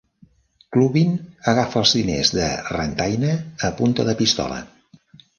Clubin agafa els diners de Rantaine a punta de pistola.